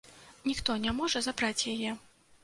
Ніхто не можа забраць яе.